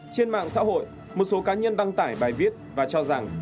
trên mạng xã hội một số cá nhân đăng tải bài viết và cho rằng